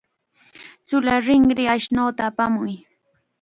Chulla rinriyuq ashnuta apamuy.